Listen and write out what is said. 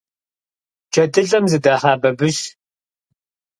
ДжэдылӀэм зыдахьа бабыщ.